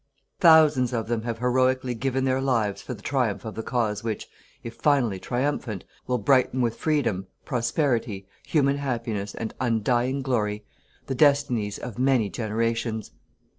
Thousands of them have heroically given their lives for the triumph of the cause which, if finally triumphant, will brighten with freedom, prosperity, human happiness and undying glory, the destinies of many generations.